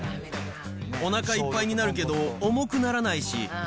おなかいっぱいになるけど、重くならないし。